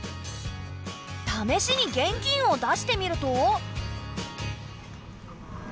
試しに現金を出してみると。